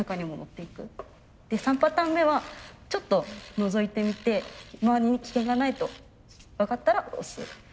３パターン目はちょっとのぞいてみて周りに危険がないと分かったら押す。